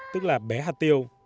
tức là bé hạt tiêu